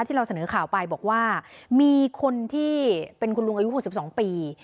ที่เราเสนอข่าวไปบอกว่ามีคนที่เป็นคุณลุงอายุ๖๒ปี